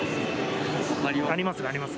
あります、あります。